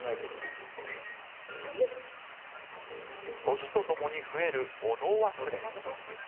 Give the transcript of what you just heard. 年とともに増える物忘れ。